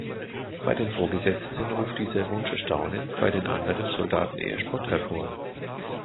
Bei den Vorgesetzten ruft dieser Wunsch Erstaunen, bei den anderen Soldaten eher Spott hervor.